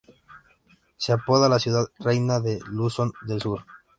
Se apoda la "Ciudad Reina de Luzón del Sur.